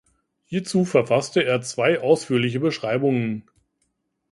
Hierzu verfasste er zwei ausführliche Beschreibungen.